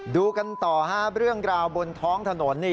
ดูกันต่อฮะเรื่องราวบนท้องถนนนี่